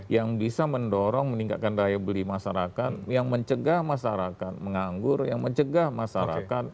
yang bisa mendorong meningkatkan daya beli masyarakat yang mencegah masyarakat menganggur yang mencegah masyarakat